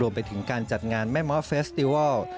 ไปถึงการจัดงานแม่ม้อเฟสติวัล